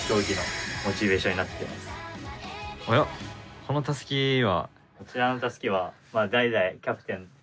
このたすきは？